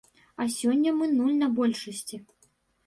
А сёння мы нуль на большасці.